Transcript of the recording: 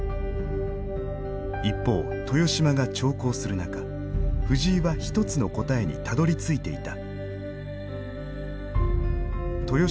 一方豊島が長考する中藤井は一つの答えにたどりついていた。